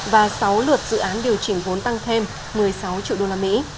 và sáu lượt dự án điều chỉnh vốn tăng thêm một mươi sáu triệu đô la mỹ